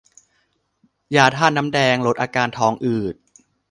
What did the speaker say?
ยาธาตุน้ำแดง ลดอาการท้องอืด